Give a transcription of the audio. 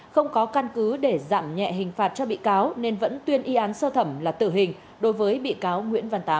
không có căn cứ để giảm nhẹ hình phạt cho bị cáo nên vẫn tuyên y án sơ thẩm là tử hình đối với bị cáo nguyễn văn tám